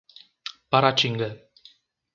Paratinga